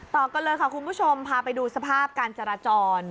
ต่อกันเลยค่ะคุณผู้ชมพาไปดูสภาพการจราจร